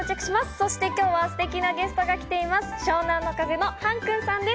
そして今日はステキなゲストが来ています。